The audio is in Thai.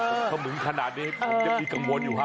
พี่เขามึงขนาดนี้จะมีกังวลอยู่ค่ะ